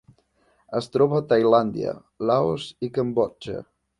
Es troba a Tailàndia, Laos i Cambodja.